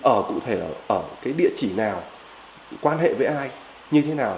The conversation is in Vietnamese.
ở cụ thể là ở cái địa chỉ nào quan hệ với ai như thế nào